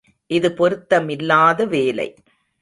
இது பொருத்தமில்லாத வேலை.